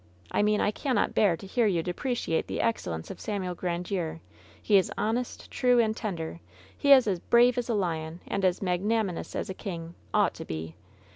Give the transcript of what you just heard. "I mean I cannot bear to hear you deprei ciate the excellence of Samuel Grandiere. He is honest, true, and tender. He is as brave as a lion, and as mag nanimous as a king — ought to be